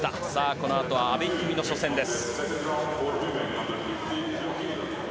このあとは阿部一二三の初戦です。